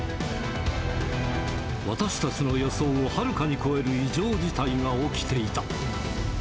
私たちの予想をはるかに超える異常事態が起きていた。